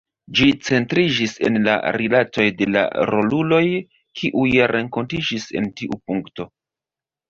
Ĝi centriĝis en la rilatoj de la roluloj, kiuj renkontiĝis en tiu punkto.